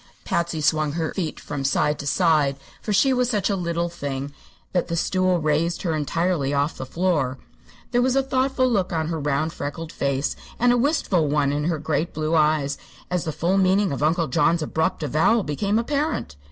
Patsy swung her feet from side to side, for she was such a little thing that the stool raised her entirely off the floor. There was a thoughtful look on her round, freckled face, and a wistful one in her great blue eyes as the full meaning of Uncle John's abrupt avowal became apparent.